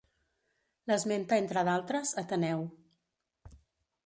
L'esmenta entre d'altres, Ateneu.